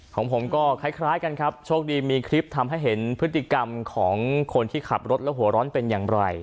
ของผมก็คล้ายกันครับโชคดีมีคลิปทำให้เห็นพฤติกรรมของคนที่ขับรถและหัวร้อนเป็นอย่างไร